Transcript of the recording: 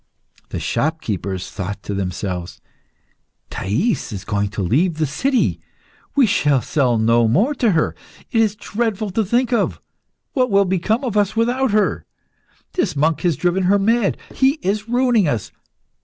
The shopkeepers thought to themselves "Thais is going to leave the city; we shall sell no more to her; it is dreadful to think of. What will become of us without her? This monk has driven her mad. He is ruining us.